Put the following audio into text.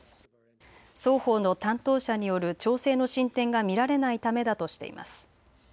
双方の担当者による調整の進展が見られないためだとしています。